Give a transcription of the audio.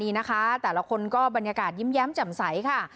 นี่นะคะแต่ละคนก็บรรยากาศยิ้มแย้มแจ่มใสค่ะ